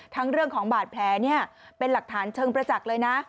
ทั้งเรื่องของบาดแพ้เป็นหลักฐานเชิงประจักษ์เลยนะ